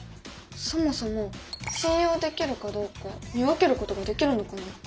そもそも信用できるかどうか見分けることができるのかな？